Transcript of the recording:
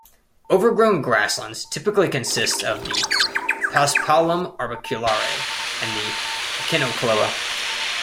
Overgrown grasslands typically consist of the "Paspalum arbiculare" and the Echinochloa.